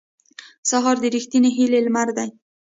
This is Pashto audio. سهار د رښتینې هیلې لمر دی.